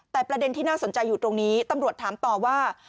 แต่ประเด็นที่น่าสนใจอยู่ตรงนี้ตำรวจถามต่อว่า